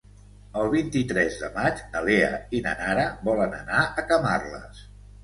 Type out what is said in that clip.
El vint-i-tres de maig na Lea i na Nara volen anar a Camarles.